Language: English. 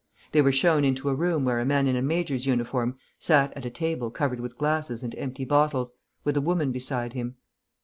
They were shown into a room where a man in a major's uniform sat at a table covered with glasses and empty bottles, with a woman beside him.